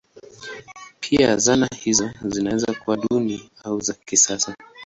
Pia zana hizo zinaweza kuwa duni au za kisasa.